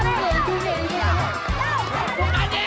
angkatnya itu bulu jangan lebar lebar